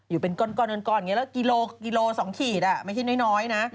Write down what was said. อยู่เป็นก้อนอย่างนี้แล้วกิโลกิโล๒ขีดไม่ใช่น้อยนะ